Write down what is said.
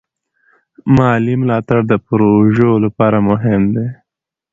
مالي ملاتړ د پروژو لپاره مهم دی.